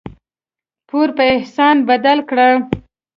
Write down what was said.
پور په احسان بدل کړه.